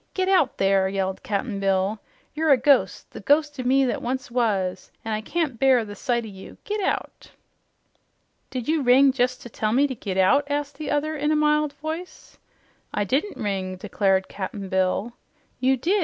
Get out, there!" yelled Cap'n Bill. "You're a ghost, the ghost o' me that once was, an' I can't bear the sight o' you. Git out!" "Did you ring jes' to tell me to git out?" asked the other in a mild voice. "I I didn't ring," declared Cap'n Bill. "You did.